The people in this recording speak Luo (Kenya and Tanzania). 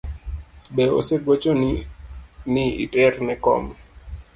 Be osegochoni ni iter ne kom?